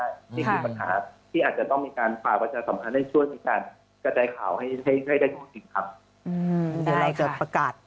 อันนี้เป็นสิ่งมีปัญหาที่อาจจะต้องมีการฝากว่าจะสำคัญในช่วงดินการกระทายข่าวให้ได้ควบคุมอีกครั้ง